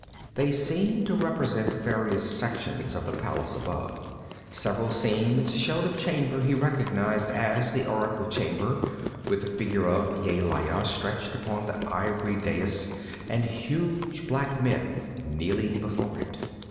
They seemed to represent various sections of the palace above. Several scenes showed a chamber he recognized as the oracle chamber with the figure of Yelaya stretched upon the ivory dais and huge black men kneeling before it.